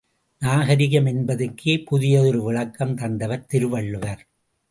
நாகரிகம் என்பதற்கே புதியதொரு விளக்கம் தந்தவர் திருவள்ளுவர்.